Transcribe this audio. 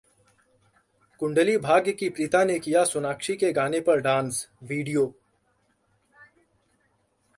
कुंडली भाग्य की 'प्रीता' ने किया सोनाक्षी के गाने पर डांस, Video